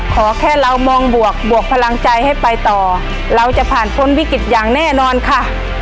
ขอแค่เรามองบวกบวกพลังใจให้ไปต่อเราจะผ่านพ้นวิกฤตอย่างแน่นอนค่ะ